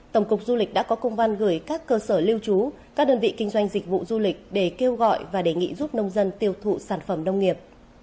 tổng cục du lịch đã có công văn gửi các cơ sở lưu trú các đơn vị kinh doanh dịch vụ du lịch để kêu gọi và đề nghị giúp nông dân tiêu thụ sản phẩm nông nghiệp